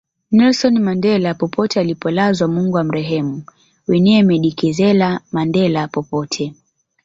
Nelson Mandela popote alipolazwa Mungu amrehemu Winnie Medikizela Mandela popote